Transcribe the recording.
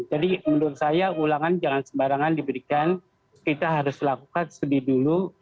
jadi menurut saya ulangan jangan sembarangan diberikan kita harus lakukan studi dulu